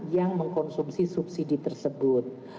yang mengkonsumsi subsidi tersebut